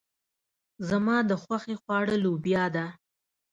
زما د خوښې خواړه لوبيا ده.